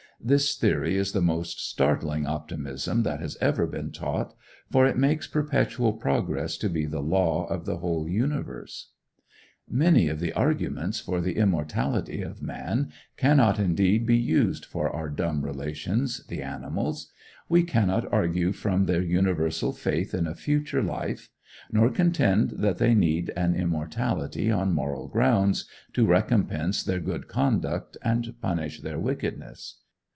This theory is the most startling optimism that has ever been taught, for it makes perpetual progress to be the law of the whole universe. Many of the arguments for the immortality of man cannot indeed be used for our dumb relations, the animals. We cannot argue from their universal faith in a future life; nor contend that they need an immortality on moral grounds, to recompense their good conduct and punish their wickedness.